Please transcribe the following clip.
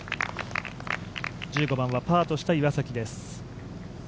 １５番はパーとした岩崎です。